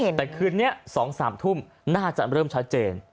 แต่คืนนี้๒๓ทุ่มน่าจะเริ่มชัดเจน